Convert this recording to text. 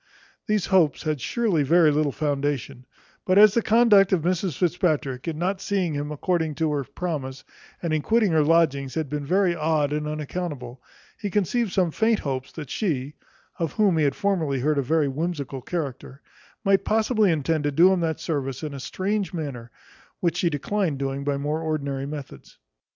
These hopes had surely very little foundation; but as the conduct of Mrs Fitzpatrick, in not seeing him according to her promise, and in quitting her lodgings, had been very odd and unaccountable, he conceived some faint hopes, that she (of whom he had formerly heard a very whimsical character) might possibly intend to do him that service in a strange manner, which she declined doing by more ordinary methods.